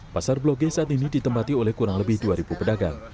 pasar blok g saat ini ditempati oleh kurang lebih dua pedagang